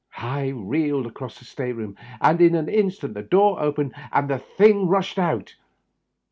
I reeled across the state room, and in an instant the door opened and the thing rushed out.